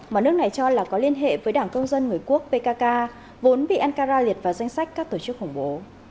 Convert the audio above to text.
mà nước này cho là có liên hệ với đảng công dân người quốc pkk vốn bị ankara liệt vào danh sách các tổ chức khủng bố